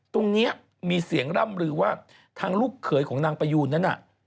ตรงนี้มีเสียงร่ำลือว่าทางลูกเขยของนางประยูนนั้นน่ะ